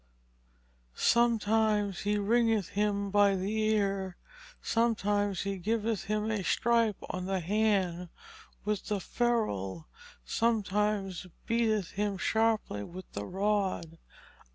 Sometimes he wringeth him by the ear, sometimes he giveth him a strype on the hand with the ferrul, sometimes beateth him sharply with the rod."